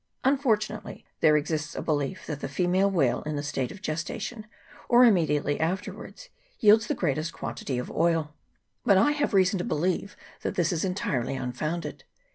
Un fortunately there exists a belief that the female whale in a state of gestation, or immediately after wards, yields the greatest quantity of oil ; but I have reason to believe that this is entirely un 54 WHALES AND WHALERS. [PART r founded.